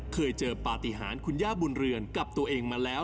เคยเจอปฏิหารคุณย่าบุญเรือนกับตัวเองมาแล้ว